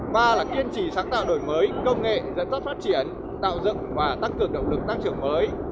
ba là kiên trì sáng tạo đổi mới công nghệ dẫn dắt phát triển tạo dựng và tăng cường động lực tăng trưởng mới